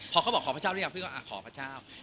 พอเขาบอกขอพระเจ้าหรือยังพี่ก็ขอพระเจ้า